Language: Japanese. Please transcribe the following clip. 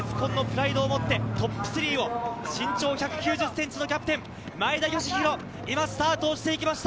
鉄紺のプライドを持ってトップ３を、身長１９０ｃｍのキャプテン・前田義弘、スタートしていきました。